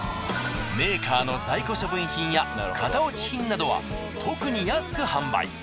メーカーの在庫処分品や型落ち品などは特に安く販売。